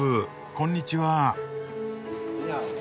こんにちは。